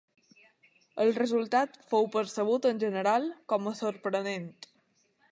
El resultat fou percebut, en general, com a sorprenent.